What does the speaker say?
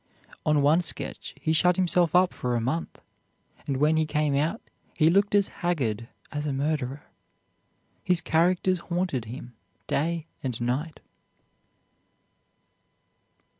On one sketch he shut himself up for a month, and when he came out he looked as haggard as a murderer. His characters haunted him day and night.